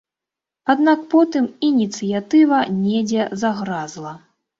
Аднак потым ініцыятыва недзе загразла.